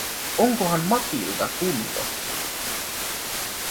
Onkohan Matilda kunnossa?